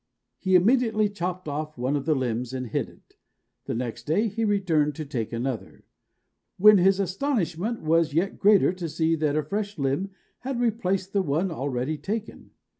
He immediately chopped off one of the limbs and hid it. The next day he returned to take another, when his astonishment was yet greater to see that a fresh limb had replaced the one already taken.